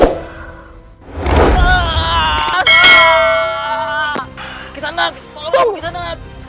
pergi ke sana tolong pergi ke sana